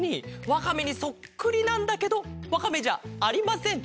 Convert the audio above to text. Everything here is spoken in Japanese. わかめにそっくりなんだけどわかめじゃありません。